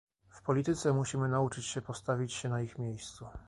W polityce musimy nauczyć się postawić się na ich miejscu